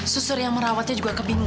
susur yang merawatnya juga kebingungan